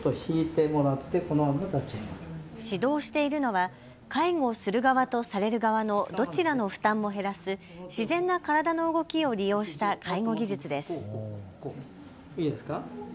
指導しているのは介護する側とされる側のどちらの負担も減らす自然な体の動きを利用した介護技術です。